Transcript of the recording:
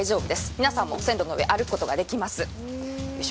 皆さんも線路の上、歩くことができます。